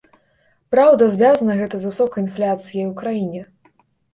Праўда, звязана гэта з высокай інфляцыяй у краіне.